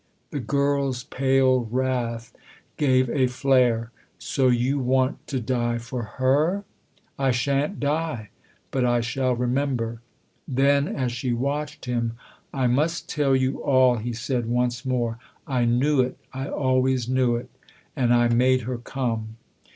The girl's pale wrath gave a flare. "So you want to die for her?" " I shan't die. But I shall remember." Then, as she watched him, " I must tell you all," he said once more. " I knew it I always knew it. And I made her come."